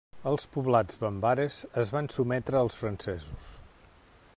Els poblats bambares es van sotmetre als francesos.